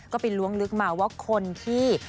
ก็ไปล้วงลึกมาว่าคนที่